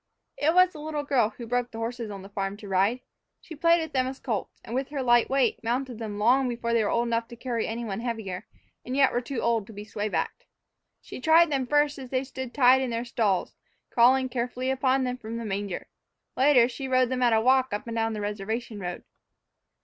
It was the little girl who broke the horses on the farm to ride. She played with them as colts, and, with her light weight, mounted them long before they were old enough to carry any one heavier, and yet were too old to be sway backed. She tried them first as they stood tied in their stalls, crawling carefully upon them from the manger. Later, she rode them at a walk up and down the reservation road.